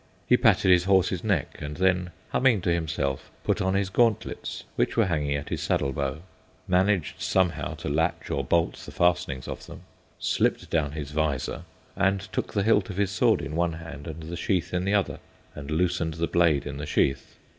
He patted his horse's neck, and then, humming to himself, put on his gauntlets, which were hanging at his saddle bow, managed somehow to latch or bolt the fastenings of them, slipped down his visor, and took the hilt of his sword in one hand and the sheath in the other and loosened the blade in the sheath.